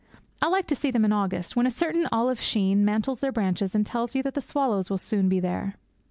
I like to see them in August, when a certain olive sheen mantles their branches and tells you that the swallows will soon be here.